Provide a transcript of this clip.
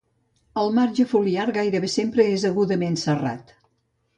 El marge foliar gairebé sempre és agudament serrat.